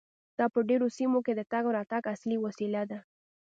دا په ډیرو سیمو کې د تګ راتګ اصلي وسیله ده